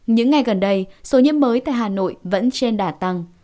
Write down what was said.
những ngày gần đây số nhiễm mới tại hà nội vẫn trên đả tăng